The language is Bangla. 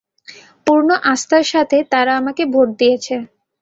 পূর্ণ আস্থার সাথে তারা আমাকে ভোট দিয়েছে।